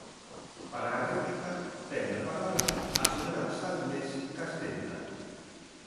Para a réplica, ten a palabra a señora Salnés Castenda.